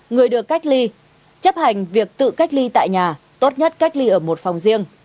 người được cách ly chấp hành việc tự cách ly tại nhà tốt nhất cách ly ở một phòng riêng